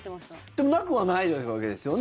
でもなくはないわけですよね？